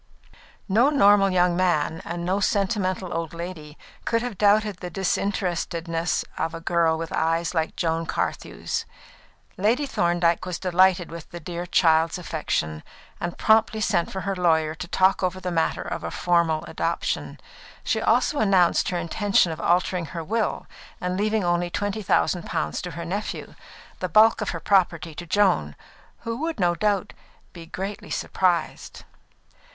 No normal young man, and no sentimental old lady, could have doubted the disinterestedness of a girl with eyes like Joan Carthew's. Lady Thorndyke was delighted with the dear child's affection, and promptly sent for her lawyer to talk over the matter of a formal adoption. She also announced her intention of altering her will, and leaving only twenty thousand pounds to her nephew, the bulk of her property to Joan, "who would no doubt be greatly surprised."